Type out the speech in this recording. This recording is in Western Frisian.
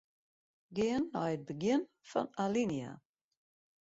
Gean nei it begjin fan alinea.